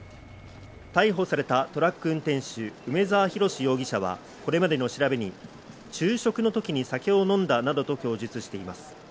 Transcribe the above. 逮捕されたトラック運転手、梅沢洋容疑者はこれまでの調べに昼食のときに酒を飲んだなどと供述しています。